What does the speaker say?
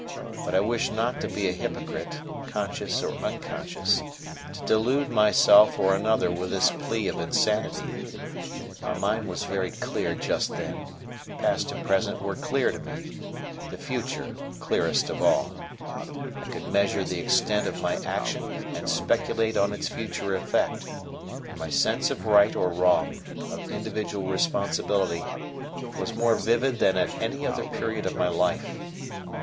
But I wish not to be a hypocrite, conscious or unconscious, to delude myself or another with this plea of insanity. My mind was very clear just then; past and present were clear to me; the future clearest of all: I could measure the extent of my action and speculate on its future effect, and my sense of right or wrong of individual responsibility was more vivid than at any other period of my life.